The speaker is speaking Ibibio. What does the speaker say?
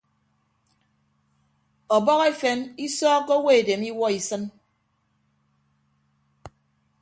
Ọbọhọ efen isọọkkọ owo edem iwuọ isịn.